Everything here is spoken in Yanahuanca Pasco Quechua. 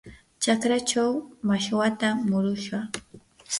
chakraachaw mashwatam murushaq.